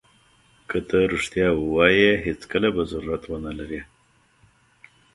که ته رښتیا ووایې هېڅکله به ضرورت ونه لرې.